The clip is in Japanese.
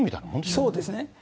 そうですね。